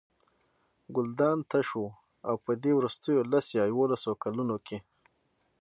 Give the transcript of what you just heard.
ګلدان تش و او په دې وروستیو لس یا یوولسو کلونو کې.